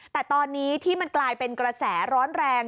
แต่ตอนนี้ที่มันกลายเป็นกระแสร้อนแรง